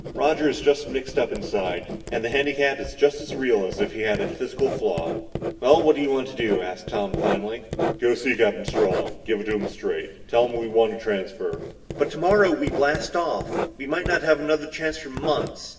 Roger is just mixed up inside. And the handicap is just as real as if he had a physical flaw. "Well, what do you want to do?" asked Tom finally. "Go see Captain Strong. Give it to him straight. Tell him we want a transfer." "But tomorrow we blast off. We might not have another chance for months!